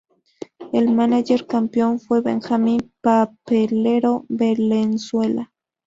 El mánager campeón fue Benjamín "Papelero" Valenzuela.